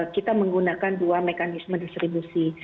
kita menggunakan dua mekanisme distribusi